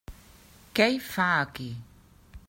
Què hi fa, aquí?